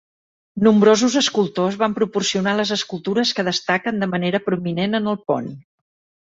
Nombrosos escultors van proporcionar les escultures que destaquen de manera prominent en el pont.